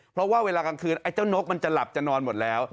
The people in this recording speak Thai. เพราะว่าเวลากลางคืนไอ้เจ้านกมันจะหลับจะนอนหมดแล้ว